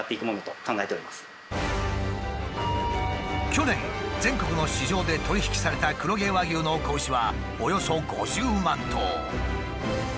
去年全国の市場で取り引きされた黒毛和牛の子牛はおよそ５０万頭。